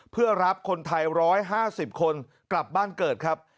เพื่อรับคนไทย๑๕๐คนกลับบ้านเกิดครับ